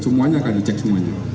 semuanya akan dicek semuanya